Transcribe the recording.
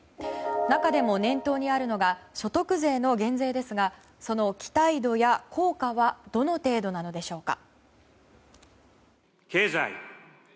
中でも念頭にあるのが所得税の減税ですがその期待度や効果はどの程度なのでしょうか？